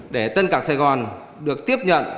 để tân cạc sài gòn được tiếp nhận